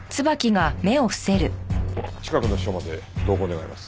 近くの署まで同行願います。